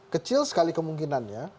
kecil sekali kemungkinannya